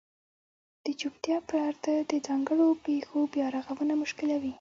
د چوپتیا پرده د ځانګړو پېښو بیارغونه مشکلوي.